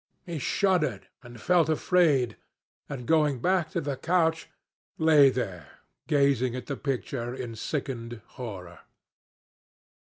He shuddered, and felt afraid, and, going back to the couch, lay there, gazing at the picture in sickened horror.